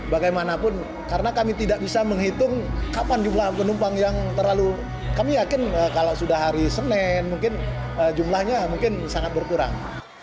bagaimanapun karena kami tidak bisa menghitung kapan jumlah penumpang yang terlalu kami yakin kalau sudah hari senin mungkin jumlahnya mungkin sangat berkurang